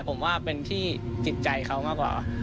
ผมว่าเป็นที่จิตใจเขามากกว่า